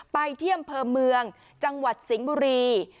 ไปเทียมเพิ่มเมืองจังหวัดสิงค์มรี